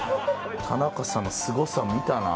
田中さんのすごさ見たな